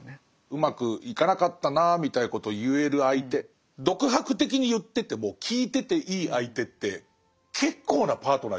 うまくいかなかったなみたいなことを言える相手独白的に言ってても聞いてていい相手って結構なパートナーじゃないですか。